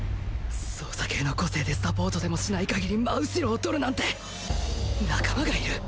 操作系の個性でサポートでもしない限り真後ろを取るなんて仲間がいる！？